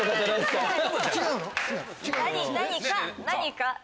何か！